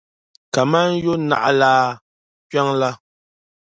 kaman yo’ naɣilaa kpiɔŋ la.